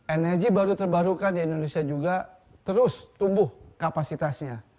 energi baru terbarukan di indonesia juga terus tumbuh kapasitasnya